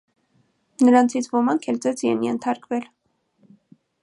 Նրանցից ոմանք էլ ծեծի են ենթարկվել։